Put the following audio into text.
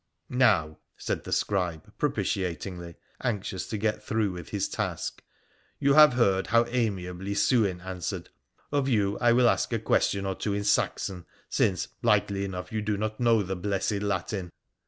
' Now,' said the scribe propitiatingly, anxious to get through with his task, ' you have heard how amiably Sewin answered. Of you I will ask a question or two in Saxon, since, likely enough, you do not know the blessed Latin.'